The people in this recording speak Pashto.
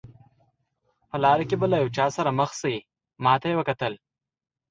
په لاره کې به له یو چا سره مخ شئ، ما ته یې وکتل.